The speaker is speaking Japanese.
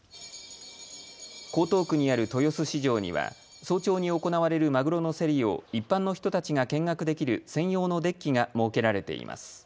江東区にある豊洲市場には早朝に行われるマグロの競りを一般の人たちが見学できる専用のデッキが設けられています。